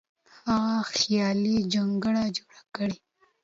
هغه خیالي جونګړه جوړه کړه.